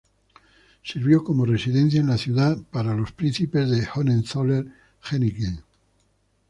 Sirvió como residencia en la ciudad para los príncipes de Hohenzollern-Hechingen.